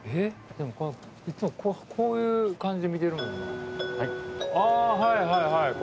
でもいつもこういう感じで見てるもんな。